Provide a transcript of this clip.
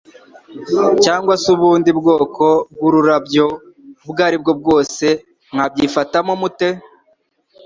cyangwa se ubundi bwoko bw'ururabyo ubwo ari bwo bwose, mwabyifatamo mute?